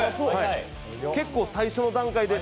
結構、最初の段階で。